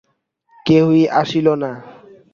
কেহই আসিল না।